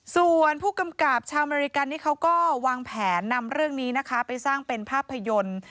ส่วนผู้กำกับชาวอเมริกันนี่เขาก็วางแผนนำเรื่องนี้นะคะไปสร้างเป็นภาพยนตร์